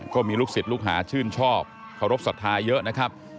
ก็มีลูกศิษย์ลูกหาชื่นชอบเคารพสัทธาเยอะนะครับ